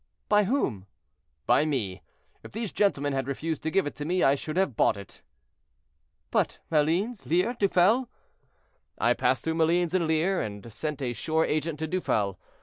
"By whom?" "By me. If these gentlemen had refused to give it to me, I should have bought it." "But Malines, Lier, Duffel?" "I passed through Malines and Lier, and sent a sure agent to Duffel.